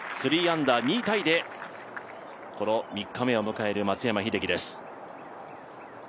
３アンダー２位タイでこの３日目を迎える松山英樹です。